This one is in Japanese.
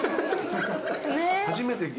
初めて。